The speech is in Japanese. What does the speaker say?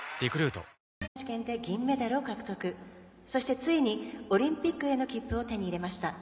ついにオリンピックへの切符を手に入れました。